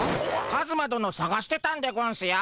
カズマどのさがしてたんでゴンスよ。